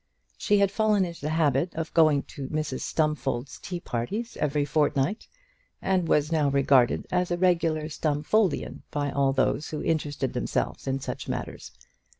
She had fallen into the habit of going to Mrs Stumfold's tea parties every fortnight, and was now regarded as a regular Stumfoldian by all those who interested themselves in such matters.